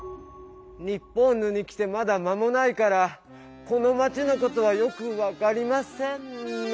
ニッポンヌに来てまだまもないからこのまちのことはよく分かりませんッヌ！